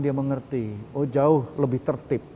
dia mengerti oh jauh lebih tertib